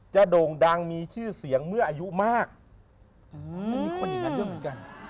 โด่งดังมีชื่อเสียงเมื่ออายุมากไม่มีคนอย่างนั้นด้วยเหมือนกัน